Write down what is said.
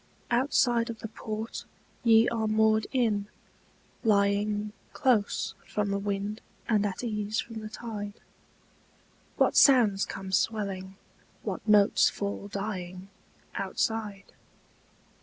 Outside of the port ye are moored in, lying Close from the wind and at ease from the tide, What sounds come swelling, what notes fall dying Outside?